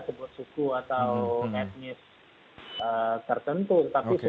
sebut suku atau etnis